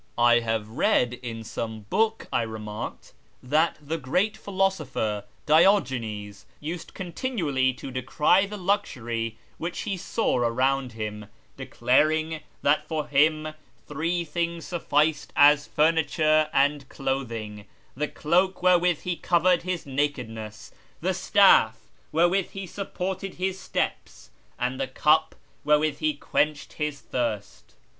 " I have read in some book," I remarked, " that the great philosopher Diogenes used continually to decry the luxury which he saw around him, declaring that for him three things sufficed as furniture and clothing : the cloak wherewith he covered his nakedness, the staff wherewith be supported his steps, and the cup wherewith he quenched his thirst.